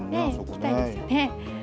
行きたいですよね。